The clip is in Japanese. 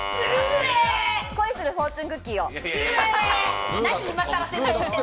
『恋するフォーチュンクッキー』を。